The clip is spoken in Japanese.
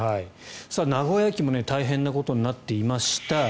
名古屋駅も大変なことになっていました。